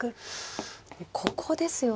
ここですよね。